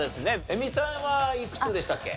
映美さんはいくつでしたっけ？